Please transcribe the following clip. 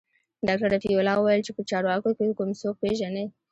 ډاکتر رفيع الله وويل چې په چارواکو کښې کوم څوک پېژني.